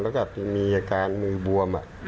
แล้วก็มีอาการมือบวม